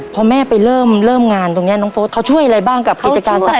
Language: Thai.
พอแม่ไปเริ่มงานตรงนี้น้องโฟสเขาช่วยอะไรบ้างกับกิจการสักพัก